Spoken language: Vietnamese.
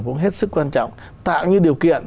cũng hết sức quan trọng tạo những điều kiện